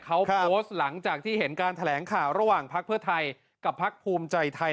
เขาโพสต์หลังจากที่เห็นการแถลงข่าวระหว่างพักเพื่อไทยกับพักภูมิใจไทย